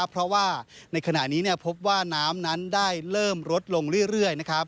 เพราะว่าในขณะนี้พบว่าน้ำนั้นได้เริ่มลดลงเรื่อย